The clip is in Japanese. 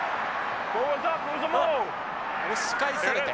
押し返されて。